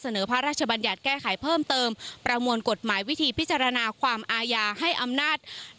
พระราชบัญญัติแก้ไขเพิ่มเติมประมวลกฎหมายวิธีพิจารณาความอาญาให้อำนาจ